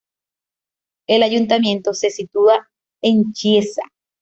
El Ayuntamiento se sitúa en Chiesa.